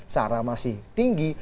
searah masih tinggi